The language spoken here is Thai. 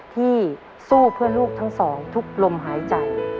ที่สู้เพื่อลูกทั้งสองทุกลมหายใจ